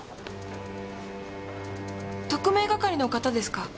特命係の方ですか？